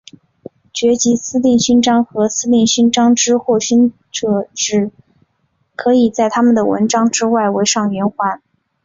爵级司令勋章和司令勋章之获勋者则只可以在他们的纹章之外围上圆环。